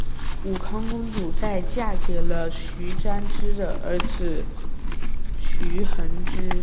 武康公主在嫁给了徐湛之的儿子徐恒之。